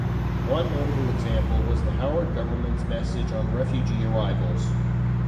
One notable example was the Howard government's message on refugee arrivals.